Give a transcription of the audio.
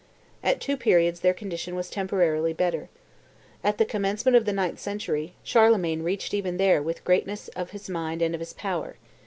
At two periods their condition was temporarily better. At the commencement of the ninth century, Charlemagne reached even there with the greatness of his mind and of his power.